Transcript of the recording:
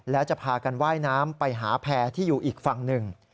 และจะพากันว่ายน้ำไปหาแพร่ที่อยู่อีกฝั่งหนึ่ง